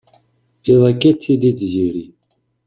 Iḍ-agi ad tili tziri.